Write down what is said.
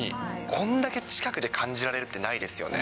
こんだけ近くで感じられるってないですよね。